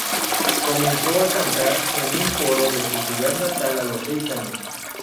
Comenzó a cantar en un coro de su ciudad natal a los seis años.